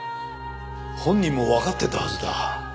本人もわかっていたはずだ。